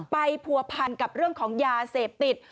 ผัวพันกับเรื่องของยาเสพติด